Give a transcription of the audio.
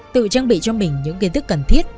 tự trang bị cho mình những kiến thức cần thiết